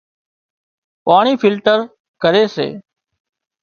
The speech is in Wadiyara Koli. پاڻي فلٽر ڪري سي